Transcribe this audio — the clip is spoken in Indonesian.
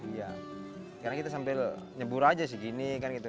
sekarang kita sambil nyebur aja segini kan gitu